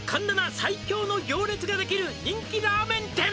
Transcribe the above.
最強の行列ができる」「人気ラーメン店」